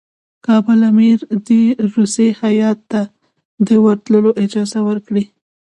کابل امیر دي روسي هیات ته د ورتلو اجازه ورکړي.